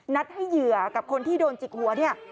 นัดให้เหยื่อกับคนที่โดนจิกหัวเนี่ย